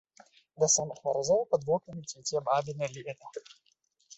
Да самых маразоў пад вокнамі цвіце бабіна лета.